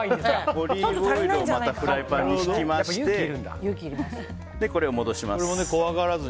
オリーブオイルをまたフライパンに引きましてこれを戻します。